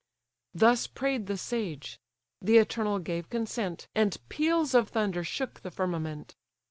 Thus prayed the sage: the eternal gave consent, And peals of thunder shook the firmament.